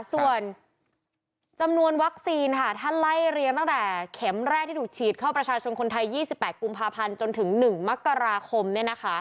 ส่วนจำนวนวัคซีนถ้าไล่เรียงตั้งแต่เข็มแรกที่ถูกฉีดเข้าประชาชนคนไทย๒๘กุมภาพันธ์จนถึง๑มกราคม